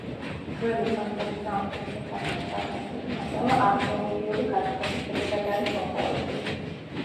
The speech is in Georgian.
ძველი სომხური სამოსის შესახებ ფრაგმენტული მასალა არქეოლოგიური გათხრების შედეგად არის მოპოვებული.